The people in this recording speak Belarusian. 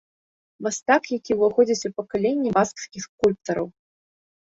Мастак, які ўваходзіць у пакаленне баскскіх скульптараў.